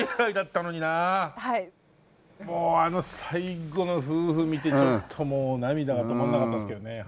もうあの最後の夫婦見てちょっともう涙が止まんなかったですけどね。